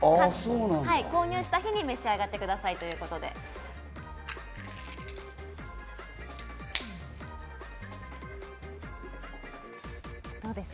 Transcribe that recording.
購入した日に召し上がってくださいということです。